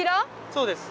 そうです。